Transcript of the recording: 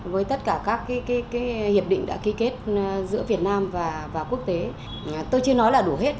với tất cả các hiệp định đã ký kết giữa việt nam và quốc tế tôi chưa nói là đủ hết